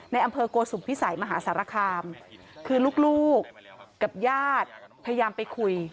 ในอำเภอโกสุมพิสัยมหาสารคามคือลูกกับญาติพยายามไปคุย